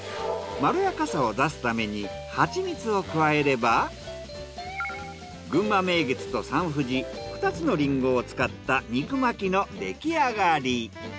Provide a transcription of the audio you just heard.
まろやかさを出すためにハチミツを加えればぐんま名月とサンふじ２つのリンゴを使った肉巻きの出来上がり。